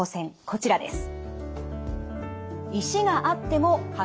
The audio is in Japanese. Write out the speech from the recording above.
こちらです。